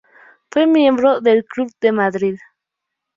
Fue miembro del Club de Madrid.